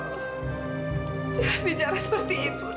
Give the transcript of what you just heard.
jangan bicara seperti itu